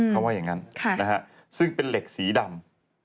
เขาว่าอย่างนั้นซึ่งเป็นเหล็กสีดำ